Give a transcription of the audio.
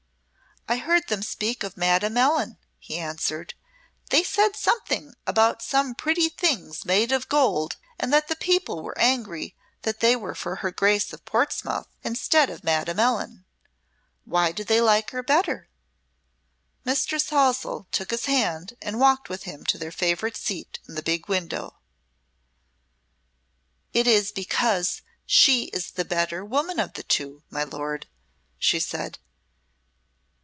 "I heard them speak of Madame Ellen," he answered. "They said something about some pretty things made of gold and that the people were angry that they were for her Grace of Portsmouth instead of Madame Ellen. Why do they like her better?" Mistress Halsell took his hand and walked with him to their favourite seat in the big window. "It is because she is the better woman of the two, my lord," she said.